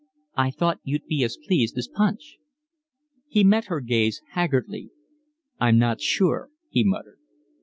"I thought you'd be as pleased as Punch." He met her gaze haggardly. "I'm not sure," he muttered.